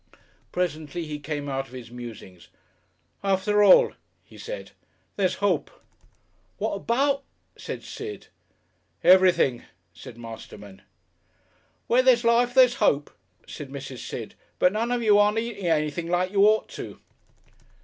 Presently he came out of his musings. "After all," he said, "there's hope." "What about?" said Sid. "Everything," said Masterman. "Where there's life there's hope," said Mrs. Sid. "But none of you aren't eating anything like you ought to."